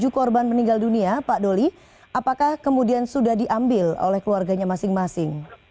tujuh korban meninggal dunia pak doli apakah kemudian sudah diambil oleh keluarganya masing masing